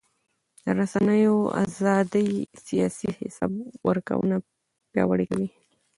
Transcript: د رسنیو ازادي سیاسي حساب ورکونه پیاوړې کوي